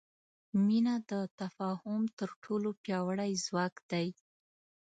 مینه د تفاهم تر ټولو پیاوړی ځواک دی.